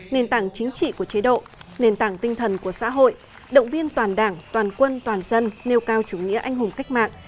nền tảng chính trị của chế độ nền tảng tinh thần của xã hội động viên toàn đảng toàn quân toàn dân nêu cao chủ nghĩa anh hùng cách mạng